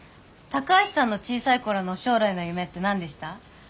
高橋さんの小さい頃の将来の夢って何でした？